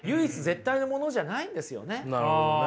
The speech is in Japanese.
なるほどね。